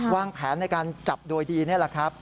วางแผนในการจับโดยดีนี่แหละครับ